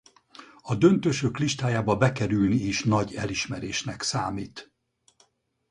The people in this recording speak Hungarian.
A döntősök listájába bekerülni is nagy elismerésnek számít.